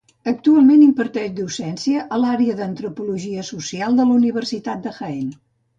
Actualment imparteix docència a l'Àrea d'Antropologia Social de la Universitat de Jaén.